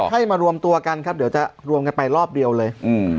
ให้มารวมตัวกันครับเดี๋ยวจะรวมกันไปรอบเดียวเลยอืม